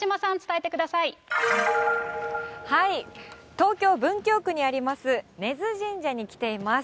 東京・文京区にあります、根津神社に来ています。